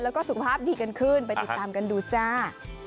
แล้วก็สุขภาพดีกันขึ้นไปติดตามกันดูจ้า